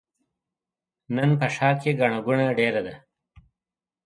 نن په ښار کې ګڼه ګوڼه ډېره ده.